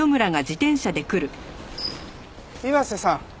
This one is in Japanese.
岩瀬さん